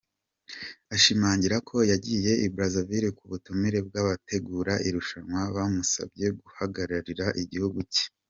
Ashimangira ko yagiye i Brazaville ku butumire bw’abategura irushanwa bamusabye guhagararira igihugu cye.